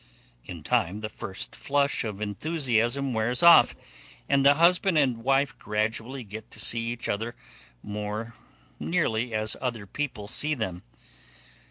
In time the first flush of enthusiasm wears off, and the husband and wife gradually get to see each other more nearly as other people see them.